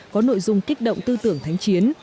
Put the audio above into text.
có nội dung kích động tư tưởng thánh chiến